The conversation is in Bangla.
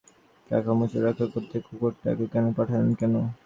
কাকামুচো রক্ষা করতে কুকুরটাকে কেন পাঠালেন কেন?